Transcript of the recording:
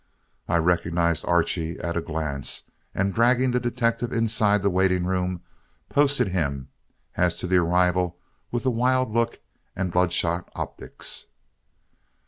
I recognized Archie at a glance, and dragging the detective inside the waiting room, posted him as to the arrival with the wild look and blood shot optics.